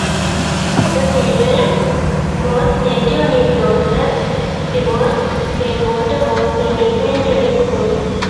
Her parents, both native New Yorkers, divorced when Walter was in elementary school.